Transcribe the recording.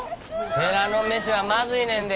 寺の飯はまずいねんで。